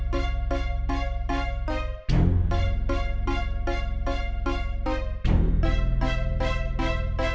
tunggu aku mau ke toilet